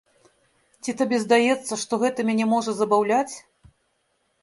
Ці табе здаецца, што гэта мяне можа забаўляць?